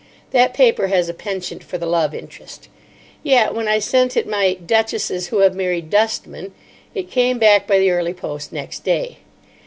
That paper has a penchant for the love interest. Yet when I sent it my "Duchesses Who Have Married Dustmen," it came back by the early post next day.